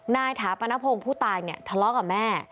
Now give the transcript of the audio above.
ถาปนพงศ์ผู้ตายเนี่ยทะเลาะกับแม่